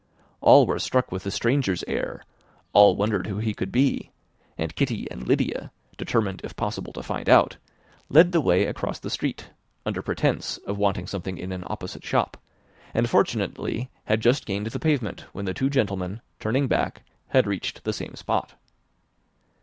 All were struck with the stranger's air, all wondered who he could be; and Kitty and Lydia, determined if possible to find out, led the way across the street, under pretence of wanting something in an opposite shop, and fortunately had just gained the pavement, when the two gentlemen, turning back, had reached the same spot.